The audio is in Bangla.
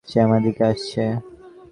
সে আমার দিকে আসছে।